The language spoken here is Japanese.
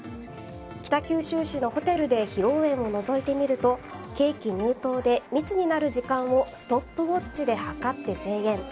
北九州市のホテルで披露宴をのぞいてみるとケーキ入刀で密になる時間をストップウォッチで計って制限。